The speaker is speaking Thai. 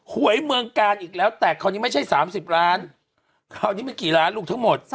หวยเมืองกาลอีกแล้วแต่คราวนี้ไม่ใช่๓๐ล้านคราวนี้มันกี่ล้านลูกทั้งหมด